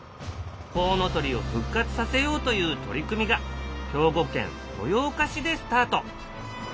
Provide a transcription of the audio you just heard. コウノトリを復活させようという取り組みが兵庫県豊岡市でスタート。